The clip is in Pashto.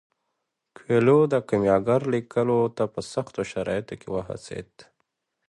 کویلیو د کیمیاګر لیکلو ته په سختو شرایطو کې وهڅید.